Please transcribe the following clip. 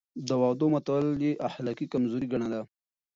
د وعدو ماتول يې اخلاقي کمزوري ګڼله.